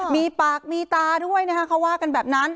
มีปากมีตาด้วยนะคะเขาว่ากันแบบนั้น